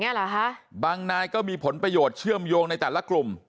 เหรอฮะบางนายก็มีผลประโยชน์เชื่อมโยงในแต่ละกลุ่ม